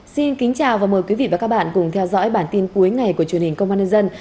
xin kính chào và mời quý vị và các bạn cùng theo dõi bản tin cuối ngày của truyền hình công an nhân dân